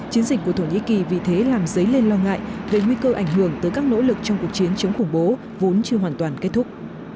chiến dịch của thổ nhĩ kỳ vì thế làm dấy lên lo ngại về nguy cơ ảnh hưởng tới các nỗ lực trong cuộc chiến chống khủng bố vốn chưa hoàn toàn kết thúc